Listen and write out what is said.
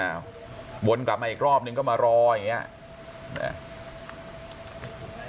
เนี้ยวนกลับมาอีกรอบหนึ่งก็มารออย่างเงี้ยเนี้ย